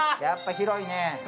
やっぱり広いね。